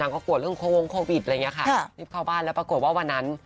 ก็กลัวเรื่องโควงโควิดอะไรอย่างนี้ค่ะรีบเข้าบ้านแล้วปรากฏว่าวันนั้น